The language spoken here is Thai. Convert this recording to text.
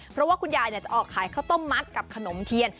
เพราะว่าคุณยายจะออกขายข้าวต้มมัดกับขนมเทียน